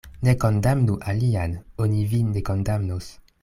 Ne kondamnu alian, oni vin ne kondamnos.